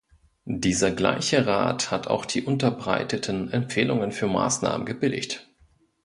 Dieser gleiche Rat hat auch die unterbreiteten Empfehlungen für Maßnahmen gebilligt.